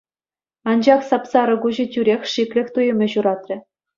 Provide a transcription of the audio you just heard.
Анчах сап-сарӑ куҫӗ тӳрех шиклӗх туйӑмӗ ҫуратрӗ.